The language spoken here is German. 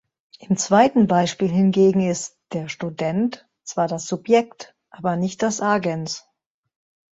Im zweiten Beispiel hingegen ist "der Student" zwar das Subjekt, aber nicht das Agens.